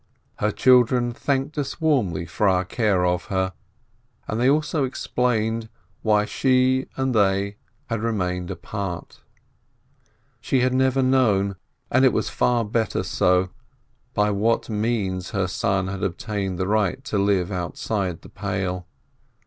Her children thanked us warmly for our care of her, and they also explained why she and they had remained apart. She had never known — and it was far better so — by what means her son had obtained the right to live out side the Pale.